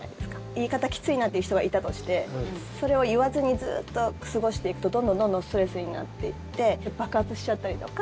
言い方きついなっていう人がいたとしてそれを言わずにずっと過ごしていくとどんどん、どんどんストレスになっていって爆発しちゃったりとか